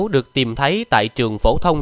được tìm thấy tại trường phổ thông